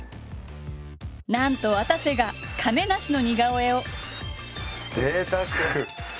なんとわたせが亀梨の似顔絵を。